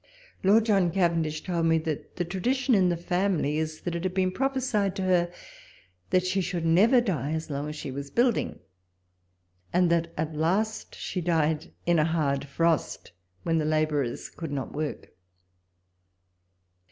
Lord John Cavendish told me, that the tradition in the family is, that it had been prophesied to her that she should never die as long as she was building ; and that at last she died in a hard frost, when the labourers could not work.